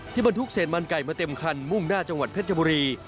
บรรทุกเศษมันไก่มาเต็มคันมุ่งหน้าจังหวัดเพชรบุรี